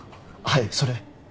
はいそれ。